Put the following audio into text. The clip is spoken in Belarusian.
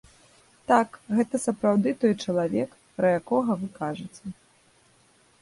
Так, гэта сапраўды той чалавек, пра якога вы кажаце.